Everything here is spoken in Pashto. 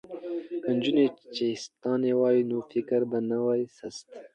که نجونې چیستان ووايي نو فکر به نه وي سست.